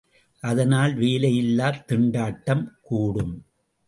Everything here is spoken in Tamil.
அதனால், வேலையில்லாத் திண்டாட்டம் கூடும்!